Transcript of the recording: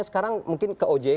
sekarang mungkin keunggulan